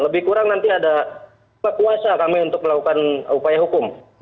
tapi nanti ada kekuasa kami untuk melakukan upaya hukum